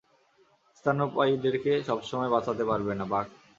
স্তন্যপায়ীদেরকে সবসময় বাঁচাতে পারবে না, বাক!